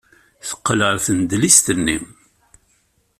Teqqel ɣer tnedlist-nni.